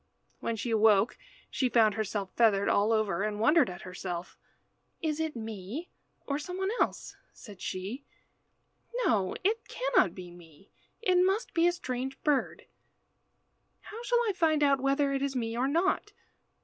When she awoke she found herself feathered all over, and wondered at herself. "Is it me or some one else?" said she. "No, it cannot be me. It must be a strange bird. How shall I find out whether it is me or not?